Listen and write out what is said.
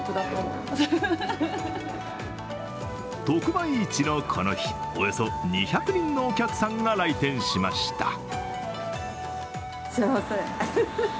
特売市のこの日、およそ２００人のお客さんが来店しました。